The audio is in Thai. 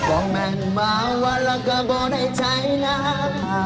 บอกแม่งมาว่าเราก็ไม่ได้ใช้น้ำ